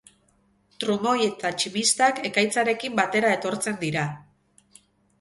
Trumoi eta tximistak ekaitzarekin batera etortzen dira.